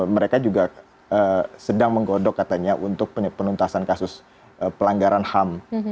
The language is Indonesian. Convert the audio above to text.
mereka juga sedang menggodok katanya untuk penuntasan kasus pelanggaran ham